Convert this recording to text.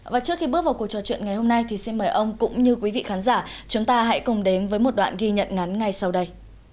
và trước khi bước vào cuộc trò chuyện ngày hôm nay thì xin mời ông cũng như quý vị khán giả chúng ta hãy cùng đến với một đoạn ghi nhận ngắn ngay sau đây